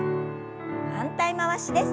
反対回しです。